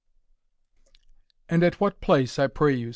"And at what place, I pray you?"